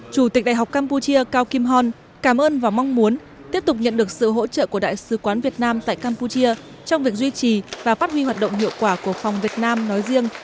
chủ tịch đại học campuchia cao kim hon cảm ơn và mong muốn tiếp tục nhận được sự hỗ trợ của đại sứ quán việt nam tại campuchia trong việc duy trì và phát huy hoạt động hiệu quả của phòng việt nam nói riêng